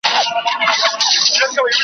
وروسته فزیکپوه دار ته وړاندې شو